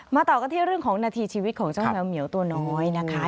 ต่อกันที่เรื่องของนาทีชีวิตของเจ้าแมวเหมียวตัวน้อยนะคะ